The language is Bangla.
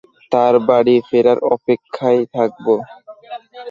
তার বাড়ি ফেরার অপেক্ষায় থাকব।